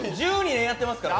１２年やってますから。